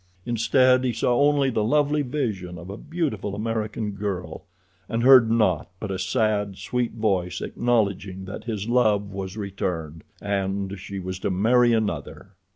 Instead he saw only the lovely vision of a beautiful American girl, and heard naught but a sad, sweet voice acknowledging that his love was returned. And she was to marry another!